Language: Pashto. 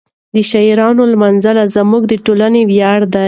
د شاعرانو لمانځنه زموږ د ټولنې ویاړ دی.